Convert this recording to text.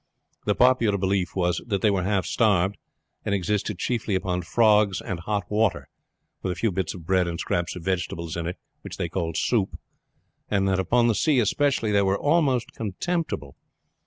The popular belief was that they were half starved, and existed chiefly upon frogs and hot water with a few bits of bread and scraps of vegetables in it which they called soup, and that upon the sea especially they were almost contemptible.